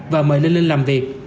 và mời linh lên làm việc